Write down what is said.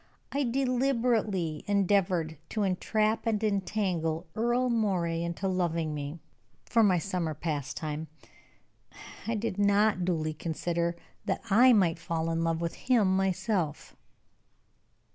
I deliberately endeavored to entrap and entangle Earle Moray into loving me, for my summer pastime. I did not duly consider that I might fall in love with him myself."